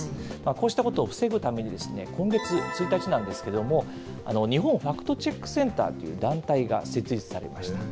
こうしたことを防ぐために、今月１日なんですけれども、日本ファクトチェックセンターという団体が設立されました。